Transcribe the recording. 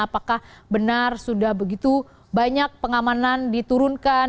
apakah benar sudah begitu banyak pengamanan diturunkan